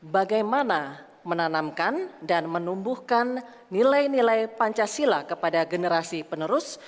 bagaimana menanamkan dan menumbuhkan nilai nilai pancasila kepada generasi penerus